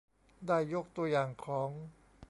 ได้ยกตัวอย่างของ